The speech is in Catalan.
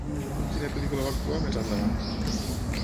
En quina pel·lícula va actuar més endavant?